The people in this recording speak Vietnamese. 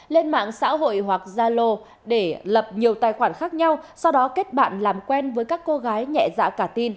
lên mạng xã hội hoặc zalo để lập nhiều tài khoản khác nhau sau đó kết bạn làm quen với các cô gái nhẹ dạ cả tin